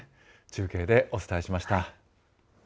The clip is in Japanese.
中継でお伝えしました。